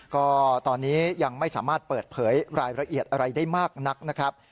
ก็ตอนนี้ยังไม่สามารถเปิดเผยรายละเอียดอะไรได้มากนักนะครับ